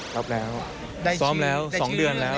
ซ้อมแล้วซ้อมแล้ว๒เดือนแล้ว